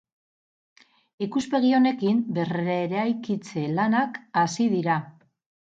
Ikuspegi honekin berreraikitze lanak hasi dira.